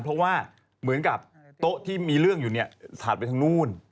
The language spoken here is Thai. เพราะว่าเหมือนกับโต๊ะที่มีเรื่องอยู่เนี่ยถาดไปทางนู้น